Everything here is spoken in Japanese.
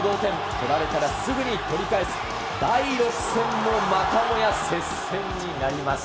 取られたらすぐに取り返す、第６戦もまたもや接戦になります。